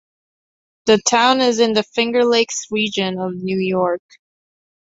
The town is in the Finger Lakes region of New York.